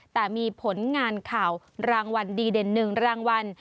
แต่มีผลงานข่าวรางวัลดีเด่น๑รางวัล